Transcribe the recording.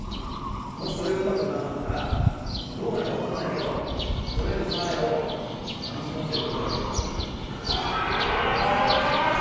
もしそれがうまくいかなかったらどうなるか分かんないけどこれ以上、サーヤを悲しませることだけはやめろよ。